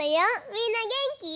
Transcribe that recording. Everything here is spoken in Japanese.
みんなげんき？